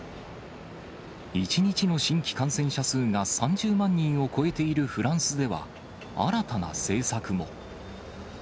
１日の新規感染者数が３０万人を超えているフランスでは、新たな政策も。